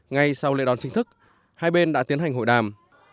ngay sau lễ đón chính thức hai bên đã tiến hành hội đàm